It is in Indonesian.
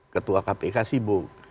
ketua kpk sibuk